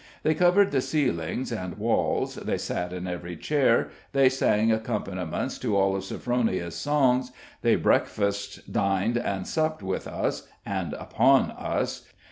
They covered the ceilings and walls, they sat in every chair, they sang accompaniments to all of Sophronia's songs, they breakfasted, dined, and supped with us and upon us.